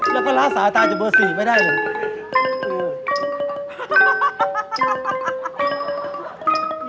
แล้วก็ละสระตายเป็นเจ้าตัวสี่ไม่ได้เลย